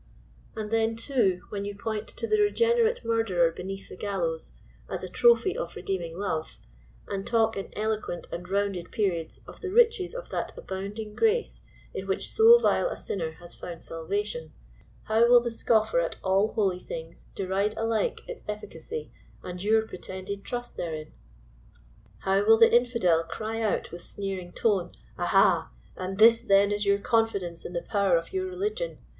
And then too, when yoti point to the regenerate murderer be neath the gallows, as a trophy of Redeeming Love, and talk 26 in eloquent and rounded periods of the riches of that abound ing grace in which so vile a sinner has found salvation, how will the scoffer at all holy things deride alike its efficacy and your pretended trust therein ! How wjll the infidel cry out with sneering tone, —^* Aha ! and this then is your confidence in the power of your religion